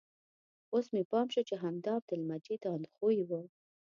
اوس مې پام شو چې همدا عبدالمجید اندخویي و.